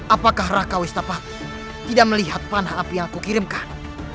apakah raka wistafa tidak melihat panah api yang aku kirimkan